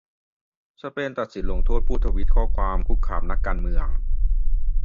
สเปนตัดสินลงโทษผู้ทวีตข้อความคุกคามนักการเมือง